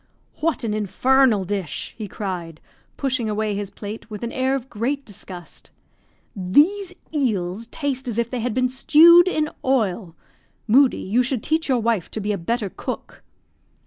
"What an infernal dish!" he cried, pushing away his plate with an air of great disgust. "These eels taste as if they had been stewed in oil. Moodie, you should teach your wife to be a better cook."